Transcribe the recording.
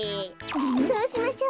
そうしましょう。